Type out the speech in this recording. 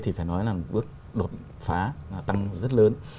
thì phải nói là một bước đột phá tăng rất lớn